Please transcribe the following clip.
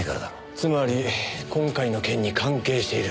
つまり今回の件に関係している。